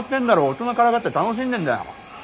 大人からかって楽しんでんだよ。